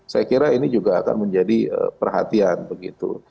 saya kira ini juga akan menjadi perhatian begitu